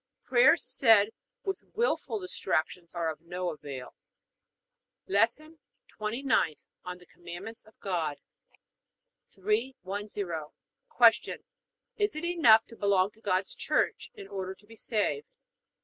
Prayers said with wilful distractions are of no avail. LESSON TWENTY NINTH ON THE COMMANDMENTS OF GOD 310. Q. Is it enough to belong to God's Church in order to be saved?